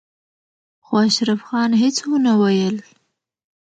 خو اشرف خان هېڅ ونه ويل.